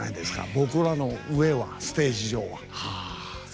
僕らの上は、ステージ上は。